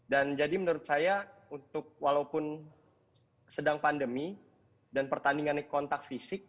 dan jadi menurut saya untuk walaupun sedang pandemi dan pertandingan kontak fisik